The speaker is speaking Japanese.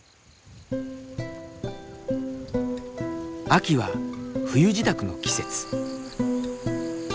秋は冬支度の季節。